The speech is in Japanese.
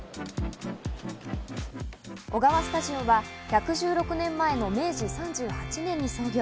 オガワスタジオは１１６年前の明治３８年に創業。